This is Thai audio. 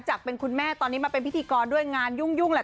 จากเป็นคุณแม่ตอนนี้มาเป็นพิธีกรด้วยงานยุ่งแหละ